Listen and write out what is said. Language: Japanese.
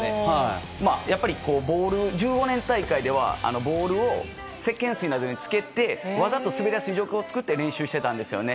やっぱり２０１４年大会ではボールをせっけん水に浸けてわざと滑らす状況を作って練習していたんですね。